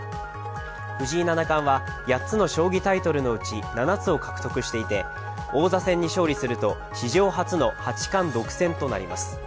藤井七冠は８つの将棋タイトルのうち７つを獲得していて、王座戦に勝利すると、史上初の八冠独占となります。